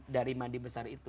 dari mandi besar itu